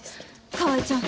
川合ちゃん